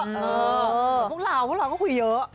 พวกเราพวกเราก็คุยเยอะ